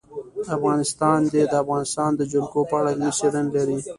افغانستان د د افغانستان جلکو په اړه علمي څېړنې لري.